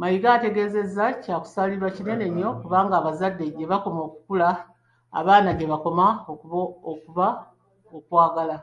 Mayiga ategeezezza kyakusaalirwa kinene kubanga abazadde gye bakoma okukula abaana gye bakoma okuba okwagala.